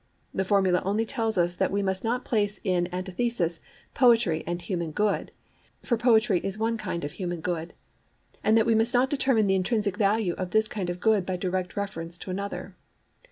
The formula only tells us that we must not place in antithesis poetry and human good, for poetry is one kind of human good; and that we must not determine the intrinsic value of this kind of good by direct reference to another.